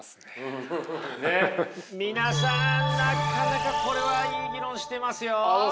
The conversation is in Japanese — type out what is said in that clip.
皆さんなかなかこれはいい議論してますよ。